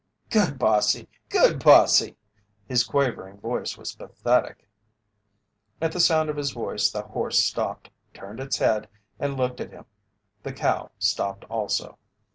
"Good bossy! Good bossy!" His quavering voice was pathetic. At the sound of his voice the horse stopped, turned its head, and looked at him. The cow stopped also.